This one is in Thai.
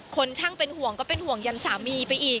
คนช่างเป็นห่วงก็เป็นห่วงยันสามีไปอีก